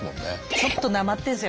ちょっとなまってんすよ。